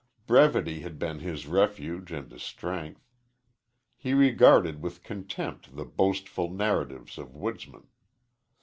Brevity had been his refuge and his strength. He regarded with contempt the boastful narratives of woodsmen.